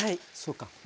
そうか。